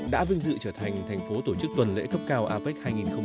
đã vinh dự trở thành thành phố tổ chức tuần lễ cấp cao apec hai nghìn một mươi bảy